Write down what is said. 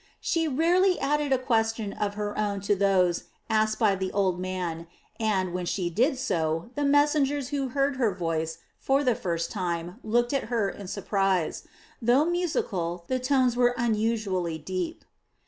She rarely added a question of her own to those asked by the old man and, when she did so, the messengers who heard her voice for the first time looked at her in surprise; though musical, the tones were unusually deep.